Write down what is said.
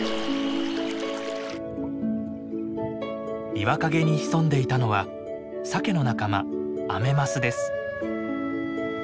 岩陰に潜んでいたのはサケの仲間アメマスです。